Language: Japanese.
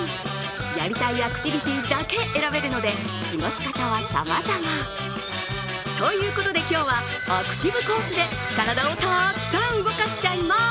やりたいアクティビティだけ選べるので過ごし方はさまざま。ということで今日はアクティブコースで体をたくさん動かしちゃいます。